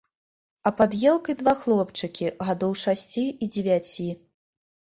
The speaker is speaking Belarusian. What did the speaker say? А пад елкай два хлопчыкі, гадоў шасці і дзевяці.